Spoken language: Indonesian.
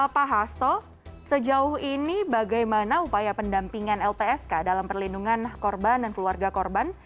pak hasto sejauh ini bagaimana upaya pendampingan lpsk dalam perlindungan korban dan keluarga korban